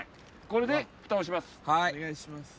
これでふたをします。